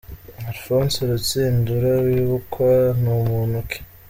Alphonse Rutsindura wibukwa ni muntu ki?.